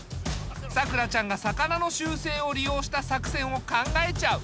さくらちゃんが魚の習性を利用した作戦を考えちゃう。